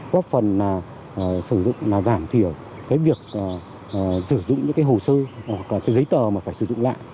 góp phần sử dụng là giảm thiểu cái việc sử dụng những cái hồ sơ hoặc là cái giấy tờ mà phải sử dụng lại